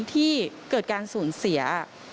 ที่เกิดการสูญเสีย